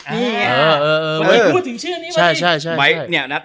พี่พูดถึงชื่อนี้มาสิ